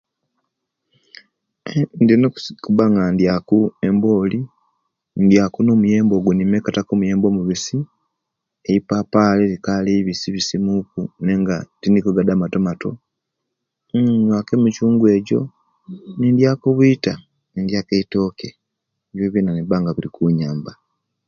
Ndina okuba nga indyaku emboli, ndiyaku omuyembe oguwo nimeketa ku omuyembe omubisi, eipapali erikali ebisibisi muku nenga tinigo gadi amatomato, nyuwaku emicunga ejo nidiya ku obwita nidiya etoke ebiyo biyombona biba nga bikunyamba